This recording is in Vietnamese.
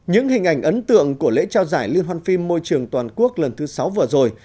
những hình ảnh ấn tượng của lễ trao giải liên hoan phim môi trường toàn quốc lần thứ sáu vừa rồi